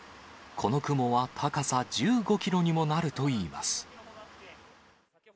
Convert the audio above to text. この雲は高さ１５キロにもなるといいます。